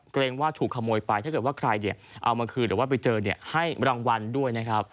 เกรงว่าถูกขโมยไปถ้าใครเอามาคืนได้รังวัลด้วย